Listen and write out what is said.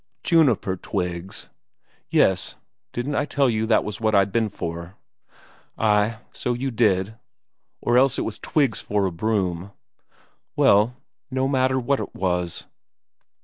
"Juniper twigs?" "Yes. Didn't I tell you that was what I'd been for?" "Ay, so you said. Or else it was twigs for a broom." "Well, no matter what it was...."